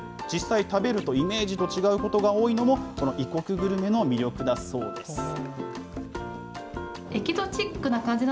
実際、食べるとイメージと違うことが多いのも、この異国グルメの魅力だそうです。